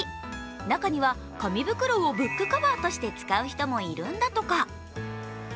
中には紙袋をブックカバーとして使う人もいるんだとか。